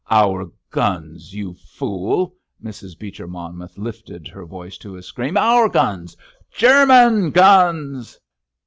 "Our guns, you fool!" Mrs. Beecher Monmouth lifted her voice to a scream. "Our guns—German guns!"